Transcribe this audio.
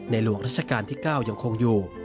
ในหลวงราชการที่เก้ายังคงอยู่